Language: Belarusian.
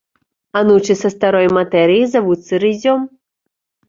Анучы са старой матэрыі завуцца рыззём.